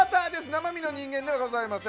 生身の人間ではございません。